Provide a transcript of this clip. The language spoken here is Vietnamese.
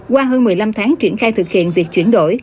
qua hơn một mươi năm tháng triển khai thực hiện việc chuyển đổi